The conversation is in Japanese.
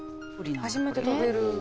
初めて食べる。